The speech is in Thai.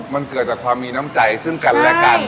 มันเกิดจากความมีน้ำใจซึ่งกันและกัน